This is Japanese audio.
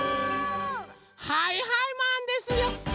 はいはいマンですよ。